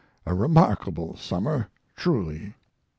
A remarkable summer, truly!